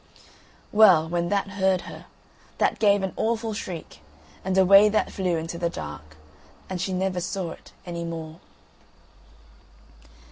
Well, when that heard her, that gave an awful shriek and away that flew into the dark, and she never saw it any more.